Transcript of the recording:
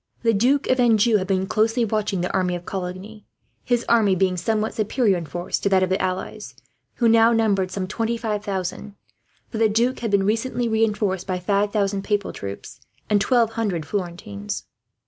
The Duc d'Anjou had been closely watching the army of Coligny, his army being somewhat superior in force to that of the allies, who now numbered some twenty five thousand; for the duke had been recently reinforced by five thousand papal troops, and twelve hundred Florentines.